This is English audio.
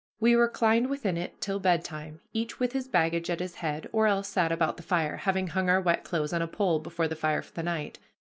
We reclined within it till bedtime, each with his baggage at his head, or else sat about the fire, having hung our wet clothes on a pole before the fire for the night.